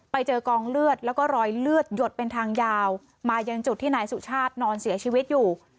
ไปเจอกองเลือดแล้วก็รอยเลือดหยดเป็นทางยาวมายังจุดที่นายสุชาตินอนเสียชีวิตอยู่